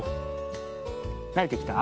なれてきた？